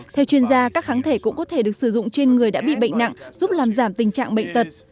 theo chuyên gia các kháng thể cũng có thể được sử dụng trên người đã bị bệnh nặng giúp làm giảm tình trạng bệnh tật